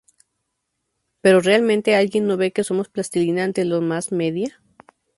¿Pero realmente alguien no ve que somos plastilina ante los mass media?